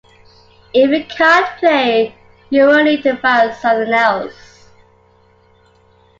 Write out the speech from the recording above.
If you can’t play, you will need to find something else.